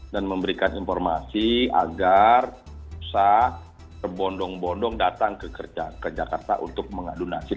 dan memberikan informasi agar usaha terbondong bondong datang ke jakarta untuk mengadu nasib